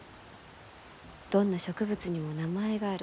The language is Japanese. どんな植物にも名前がある。